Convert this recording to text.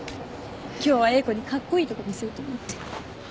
今日は英子にカッコイイとこ見せようと思って。